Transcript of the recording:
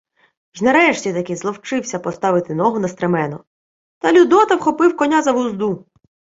Й нарешті-таки зловчився поставити ногу на стремено. Та Людота вхопив коня за вузду.